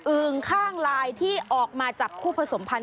ึงข้างลายที่ออกมาจับคู่ผสมพันธ